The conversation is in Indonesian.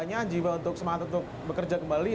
hanya jiwa untuk semangat untuk bekerja kembali